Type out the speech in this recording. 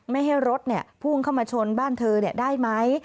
ไม่ให้รถพุ่งเข้ามาชนบ้านเธอได้ไหม